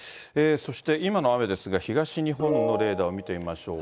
そして今の雨ですが、東日本のレーダーを見てみましょう。